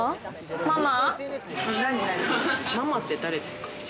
ママ・ママって誰ですか？